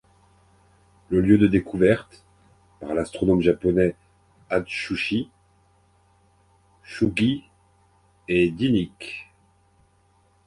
Le lieu de découverte, par l'astronome japonais Atsushi Sugie, est Dynic.